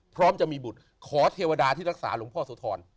พร้อมจะมีบุตรขอเทวดาที่รักษาหลวงพ่อโสธร